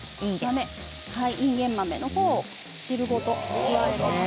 いんげん豆のほうを汁ごと加えます。